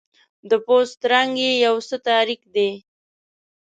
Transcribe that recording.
د پوست رنګ یې یو څه تاریک دی.